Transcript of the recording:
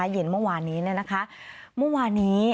เย็นเมื่อวานนี้เมื่อวานี้